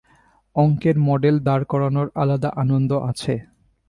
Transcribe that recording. অঙ্কের মডেল দাঁড় করানোর আলাদা আনন্দ আছে।